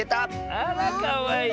あらかわいい。